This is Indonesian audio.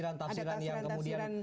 ada tafsiran tafsiran yang kemudian